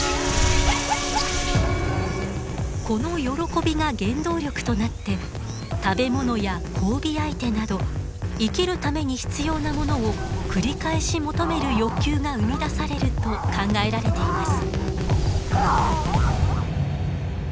この喜びが原動力となって食べ物や交尾相手など生きるために必要なものを繰り返し求める欲求が生み出されると考えられています。